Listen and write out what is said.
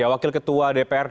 wakil ketua dpr